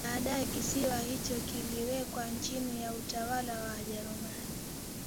Baadaye kisiwa hicho kiliwekwa chini ya utawala wa Wajerumani